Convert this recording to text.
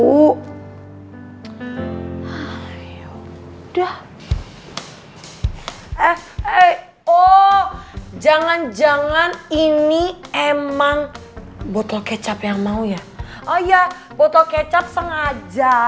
udah eh eh oh jangan jangan ini emang botol kecap yang mau ya oh ya botol kecap sengaja